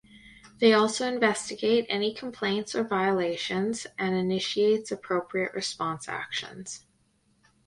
They also investigate any complaints or violations and initiates appropriate response actions.